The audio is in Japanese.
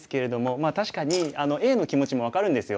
まあ確かにＡの気持ちも分かるんですよ。